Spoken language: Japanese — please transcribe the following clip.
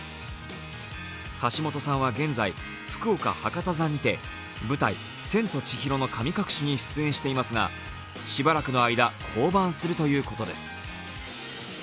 橋本さんは現在、福岡・博多座にて舞台「千と千尋の神隠し」に出演していますがしばらくの間、降板するということです。